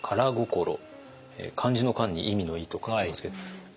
漢字の「漢」に意味の「意」と書きますけれども。